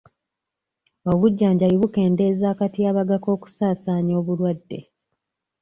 Obujjanjabi bukendeeza akatyabaga k'okusaasaanya obulwadde.